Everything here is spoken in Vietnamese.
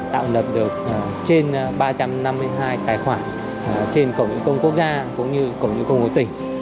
tạo lập được trên ba trăm năm mươi hai tài khoản trên cổng dịch vụ quốc gia cũng như cổng dịch vụ tỉnh